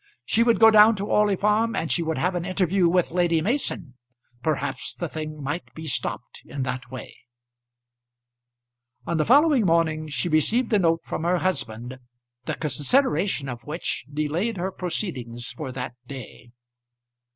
She would go down to Orley Farm and she would have an interview with Lady Mason. Perhaps the thing might be stopped in that way. On the following morning she received a note from her husband the consideration of which delayed her proceedings for that day.